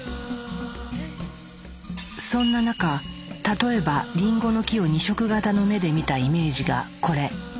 そんな中例えばリンゴの木を２色型の目で見たイメージがこれ。